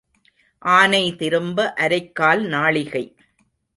ஆனை திரும்ப அரைக்கால் நாழிகை.